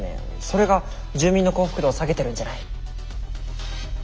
それが住民の幸福度を下げてるんじゃない？